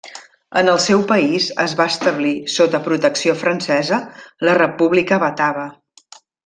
En el seu país es va establir, sota protecció francesa, la República Batava.